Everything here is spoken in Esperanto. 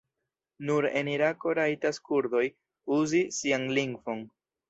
Nur en Irako rajtas kurdoj uzi sian lingvon.